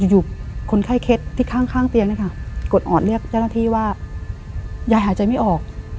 อยู่คนไข้เคล็ดที่ข้างเตียงนะคะกดออดเรียกเจ้าหน้าที่ว่ายายหายใจไม่ออก